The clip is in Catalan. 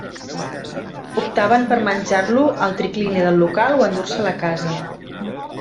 Optaven per menjar-lo al triclini del local o endur-se'l a casa.